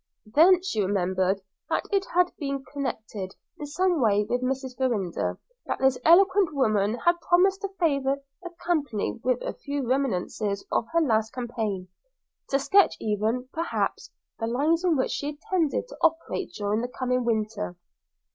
Then she remembered that it had been connected in some way with Mrs. Farrinder; that this eloquent woman had promised to favour the company with a few reminiscences of her last campaign; to sketch even, perhaps, the lines on which she intended to operate during the coming winter.